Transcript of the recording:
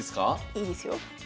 いいですよ。